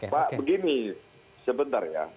pak begini sebentar ya